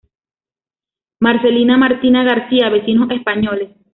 Marcelina Martina García, vecinos españoles.